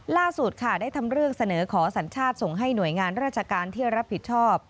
ล่าสุดค่ะได้ทำเรื่องเสนอขอสัญชาติส่งให้หน่วยงานราชการที่รับผิดชอบ